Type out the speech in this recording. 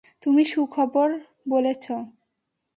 তুমি সুখবর বলেছ।